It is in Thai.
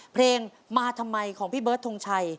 เพลงมาทำไมของพี่เบิร์ดทงชัย